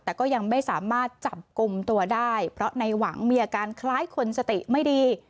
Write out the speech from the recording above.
แต่ก็ยังไม่สามารถจับกลุ่มตัวได้เพราะในหวังมีอาการคล้ายคนสติไม่ดี